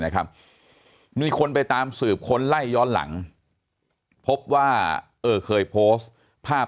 นะครับมีคนไปตามสืบคนไล่ย้อนหลังพบว่าเออเคยโพสต์ภาพ